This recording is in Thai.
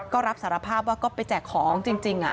ก็รับสารภาพว่าก็ไปแจกของจริง